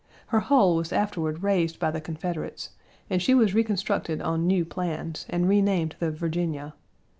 Her hull was afterward raised by the Confederates and she was reconstructed on new plans, and renamed the Virginia.